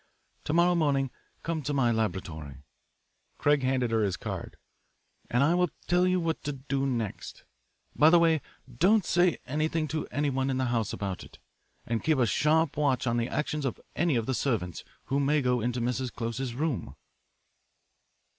To morrow morning come to my laboratory" Craig handed her his card "and I will tell you what to do next. By the way, don't say anything to anyone in the house about it, and keep a sharp watch on the actions of any of the servants who may go into Mrs. Close's room."